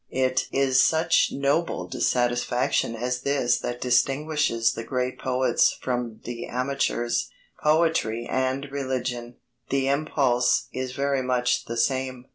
It is such noble dissatisfaction as this that distinguishes the great poets from the amateurs. Poetry and religion the impulse is very much the same.